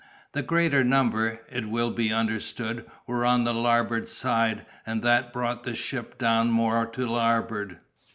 The greater number, it will be understood, were on the larboard side, and that brought the ship down more to larboard.